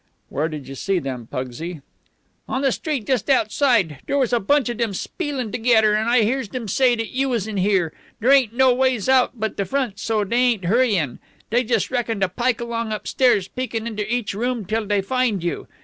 "Where did you see them, Pugsy?" "On the street just outside. Dere was a bunch of dem spielin' togedder, and I hears dem say you was in here. Dere ain't no ways out but de front, so dey ain't hurryin'. Dey just reckon to pike along upstairs, peekin' inter each room till dey find you.